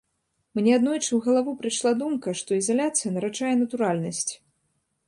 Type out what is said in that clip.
Мне аднойчы ў галаву прыйшла думка, што ізаляцыя нараджае натуральнасць.